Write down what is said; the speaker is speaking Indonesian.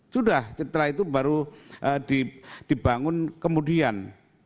sudah setelah itu baru dibangun kemudian